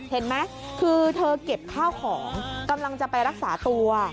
เห็นไหมคือเธอเก็บข้าวของกำลังจะไปรักษาตัว